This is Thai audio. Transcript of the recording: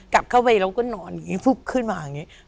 กลับเข้าไปเราก็นอนขึ้นมาอย่างนี้